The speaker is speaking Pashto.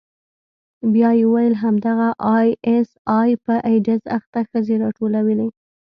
بيا يې وويل همدغه آى اس آى په ايډز اخته ښځې راټولوي.